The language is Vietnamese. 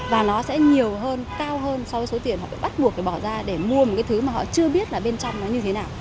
và nó sẽ nhiều hơn cao hơn so với số tiền họ bắt buộc phải bỏ ra để mua một cái thứ mà họ chưa biết là bên trong nó như thế nào